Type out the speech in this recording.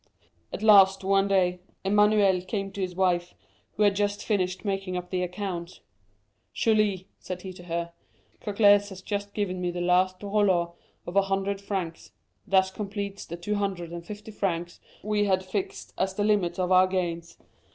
At last, one day, Emmanuel came to his wife, who had just finished making up the accounts. "'Julie,' said he to her, 'Cocles has just given me the last rouleau of a hundred francs; that completes the 250,000 francs we had fixed as the limits of our gains.